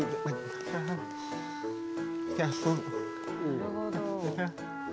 なるほど。